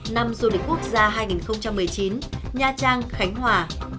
năm du lịch quốc gia hai nghìn một mươi chín nha trang khánh hòa